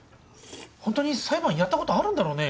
ホントに裁判やったことあるんだろうね！？